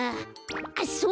あっそうか。